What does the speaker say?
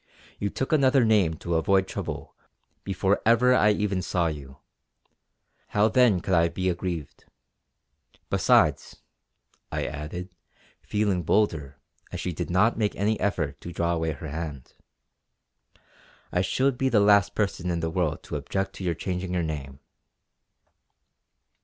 You took another name to avoid trouble before ever I even saw you; how then could I be aggrieved. Besides" I added, feeling bolder as she did not make any effort to draw away her hand, "I should be the last person in the world to object to your changing your name!"